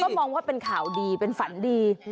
มองว่าเป็นข่าวดีเป็นฝันดี